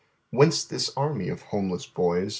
Whence this army of homeless boys